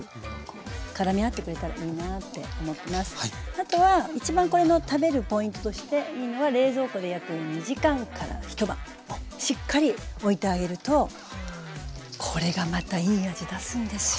あとは一番これの食べるポイントとしていいのはしっかりおいてあげるとこれがまたいい味出すんですよ。